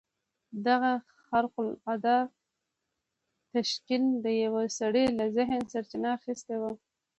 دغه خارق العاده تشکيل د يوه سړي له ذهنه سرچينه اخيستې وه.